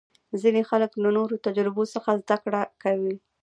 ځینې خلک له نورو تجربو څخه زده کړه کوي.